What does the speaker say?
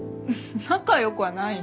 仲良くはないの。